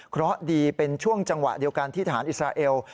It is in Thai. เพราะดีเป็นช่วงจังหวะเดียวกันที่ทหารอิสราเอล